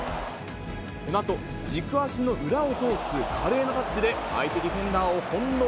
なんと軸足の裏を通す華麗なタッチで、相手ディフェンダーを翻弄。